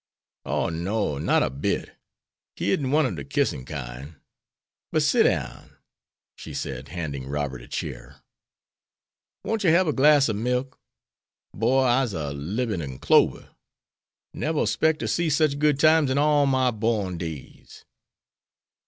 "Oh, no, not a bit. He isn't one ob de kissin' kine. But sit down," she said, handing Robert a chair. "Won't yer hab a glass ob milk? Boy, I'se a libin' in clover. Neber 'spected ter see sich good times in all my born days."